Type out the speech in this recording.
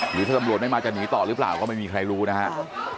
หรือถ้าตำรวจไม่มาจะหนีต่อหรือเปล่าก็ไม่มีใครรู้นะครับ